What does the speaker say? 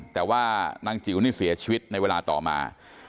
แต่ว่านางจิ๋วนี่เสียชีวิตในเวลาต่อมา